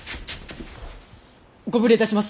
ご無礼いたします。